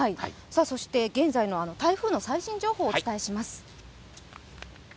そして現在の台風の最新情報をお伝えします。